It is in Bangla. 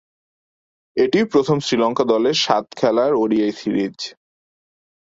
এটিই প্রথম শ্রীলঙ্কা দলের সাত-খেলার ওডিআই সিরিজ।